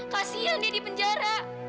kasian dia di penjara